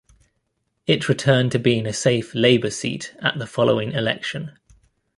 It returned to being a safe Labor seat at the following election.